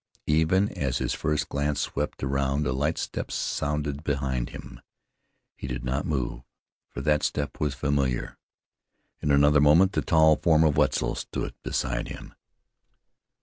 Even as his first glance swept around a light step sounded behind him. He did not move, for that step was familiar. In another moment the tall form of Wetzel stood beside him.